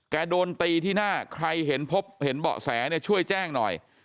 โดนตีที่หน้าใครเห็นพบเห็นเบาะแสเนี่ยช่วยแจ้งหน่อย